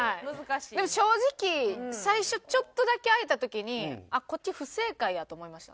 でも正直最初ちょっとだけ開いた時にあっこっち不正解やと思いました。